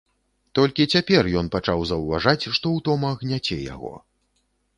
Толькі цяпер ён пачаў заўважаць, што ўтома гняце яго.